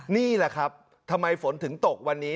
นี่แหละครับทำไมฝนถึงตกวันนี้